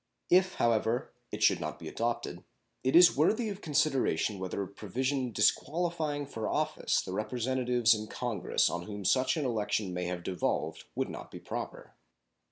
If, however, it should not be adopted, it is worthy of consideration whether a provision disqualifying for office the Representatives in Congress on whom such an election may have devolved would not be proper.